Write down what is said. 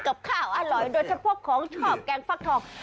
กับข้าวอร่อยโดยเฉพาะของชอบแกงฟักทอง